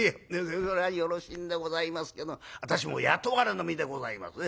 「それはよろしいんでございますけど私も雇われの身でございますね。